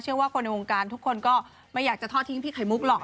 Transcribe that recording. ว่าคนในวงการทุกคนก็ไม่อยากจะทอดทิ้งพี่ไขมุกหรอก